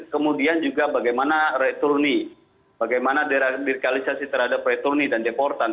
kemudian juga bagaimana returni bagaimana deradikalisasi terhadap returni dan deportan